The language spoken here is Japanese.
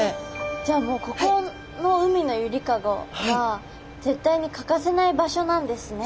じゃあここの海のゆりかごは絶対に欠かせない場所なんですね。